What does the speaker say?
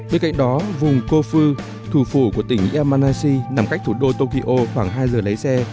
bên cạnh đó vùng kofu thủ phủ của tỉnh yamanashi nằm cách thủ đô tokyo khoảng hai giờ lấy xe